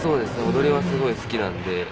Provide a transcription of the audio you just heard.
踊りはすごい好きなんで。